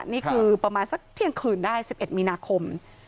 นี่คือประมาณสักเที่ยงคืนได้๑๑มีนาคม